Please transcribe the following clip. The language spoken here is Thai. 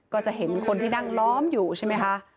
ก็จะเห็นคนที่นั่งล้อมอยู่ใช่ไหมคะ